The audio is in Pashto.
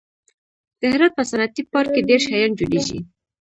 د هرات په صنعتي پارک کې ډېر شیان جوړېږي.